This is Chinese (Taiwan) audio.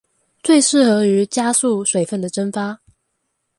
最適合於加速水分的蒸發